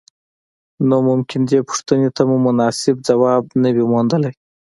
نو ممکن دې پوښتنې ته مو مناسب ځواب نه وي موندلی.